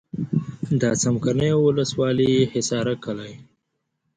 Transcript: د څمکنیو ولسوالي حصارک کلی.